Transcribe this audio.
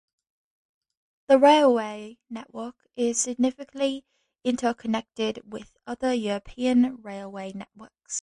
The railway network is significantly interconnected with other European railway networks.